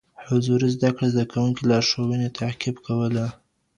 حضوري زده کړه زده کوونکي لارښوونې تعقيب کولي.